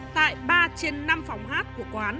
tại ba trên năm phòng hát của quán